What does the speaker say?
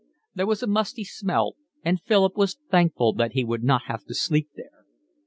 There was a musty smell, and Philip was thankful that he would not have to sleep there.